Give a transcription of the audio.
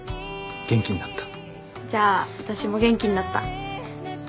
じゃあ私も元気になった。